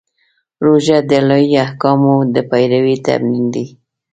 روژه د الهي احکامو د پیروي تمرین دی.